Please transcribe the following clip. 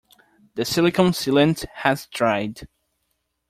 The silicon sealant has dried.